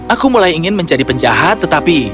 aku mulai ingin menjadi penjahat tetapi